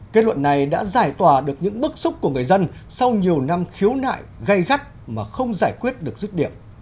kết luận này đã giải tỏa được những bức xúc của người dân sau nhiều năm khiếu nại gây gắt mà không giải quyết được rứt điểm